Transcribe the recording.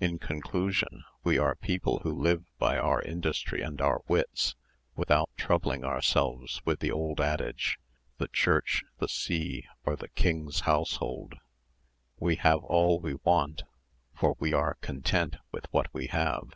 In conclusion, we are people who live by our industry and our wits, without troubling ourselves with the old adage, 'The church, the sea, or the king's household.' We have all we want, for we are content with what we have.